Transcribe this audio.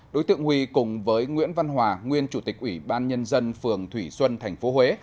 đối tượng huy cùng với nguyễn văn hòa nguyên chủ tịch ủy ban nhân dân phường thủy xuân tp huế